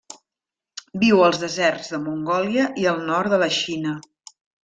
Viu als deserts de Mongòlia i el nord de la Xina.